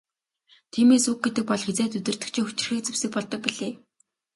Тиймээс үг гэдэг бол хэзээд удирдагчийн хүчирхэг зэвсэг болдог билээ.